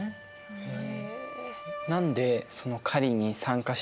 へえ。